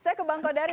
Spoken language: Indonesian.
saya ke bang kodari